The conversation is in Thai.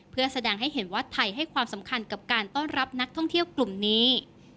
เพื่อแสดงให้เห็นว่าไทยให้ความสำคัญกับการต้อนรับนักท่องเที่ยวกลุ่มนี้